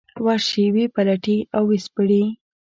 ورشي ویې پلټي او ويې سپړي.